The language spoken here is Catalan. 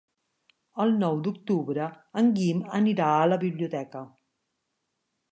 El nou d'octubre en Guim anirà a la biblioteca.